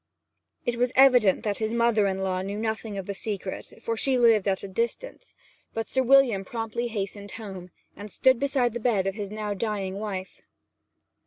It was evident that his mother in law knew nothing of the secret, for she lived at a distance; but Sir William promptly hastened home, and stood beside the bed of his now dying wife.